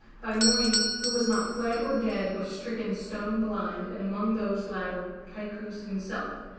By morning, who was not fled or dead, was stricken stone blind, and among these latter Kaikous himself.